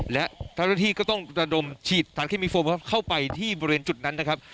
และเจ้าหน้าที่ก็ต้องระดมฉีดสารเคมีโฟมเข้าไปที่บริเวณจุดนั้นนะครับ